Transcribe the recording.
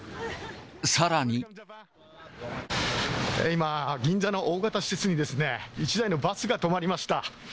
今、銀座の大型施設に、１台のバスが止まりました。